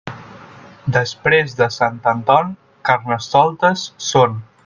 Després de Sant Anton, Carnestoltes són.